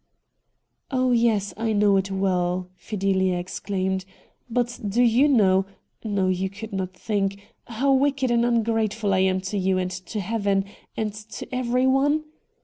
' Oh, yes I know it well !' Fideha exclaimed ;' but do you know — no, you could not think — how wicked and ungrateful I am to you and to heaven, and to everyone?